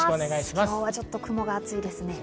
今日はちょっと雲が厚いですね。